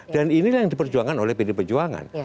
dan inilah yang diperjuangkan oleh pedi pejuangan